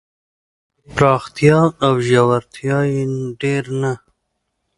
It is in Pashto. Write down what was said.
چې پراختیا او ژورتیا یې ډېر نه